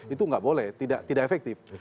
itu nggak boleh tidak efektif